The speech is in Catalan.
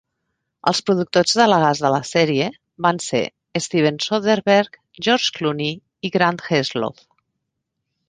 Els productors delegats de la sèrie va ser Steven Soderbergh, George Clooney i Grant Heslov.